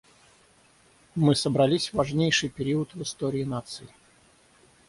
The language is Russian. Мы собрались в важнейший период в истории наций.